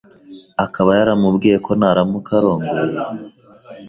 akaba yaramubwiye ko naramuka arongoye